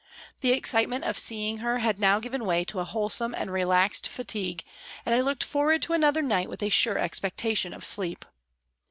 The excitement of seeing her had now given way to a wholesome and relaxed fatigue and I looked forward to another night with a sure expectation of sleep.